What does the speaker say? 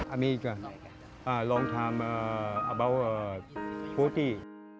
อันนี้ก็ป้าลองทำพูดที่